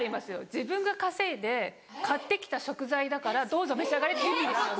自分が稼いで買って来た食材だから「どうぞ召し上がれ」っていう意味ですよね。